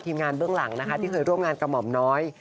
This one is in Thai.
ที่เคยร่วมงานกับหม่อมน้อย